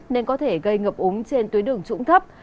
nên có thể gây ngập úng trên tuyến đường trũng thấp